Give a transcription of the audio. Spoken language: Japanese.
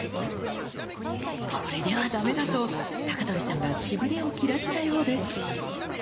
これではダメだと鳥さんがしびれを切らしたようです。